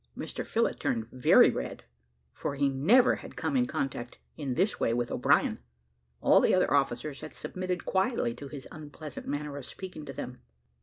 Mr Phillott turned very red, for he never had come in contact in this way with O'Brien. All the other officers had submitted quietly to his unpleasant manner of speaking to them.